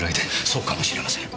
そうかもしれません。